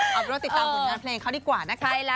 เอาไปติดตามผลงานเพลงเขาดีกว่านะครับ